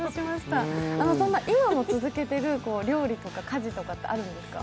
今も続けてる料理とか家事とかあるんですか？